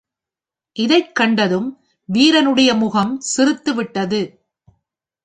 இதைக் கண்டதும் வீரனுடைய முகம் சிறுத்துவிட்டது.